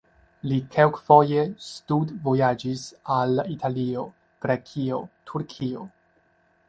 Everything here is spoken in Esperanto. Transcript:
Li kelkfoje studvojaĝis al Italio, Grekio, Turkio.